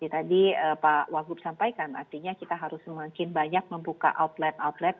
tadi pak wagub sampaikan artinya kita harus semakin banyak membuka outlet outlet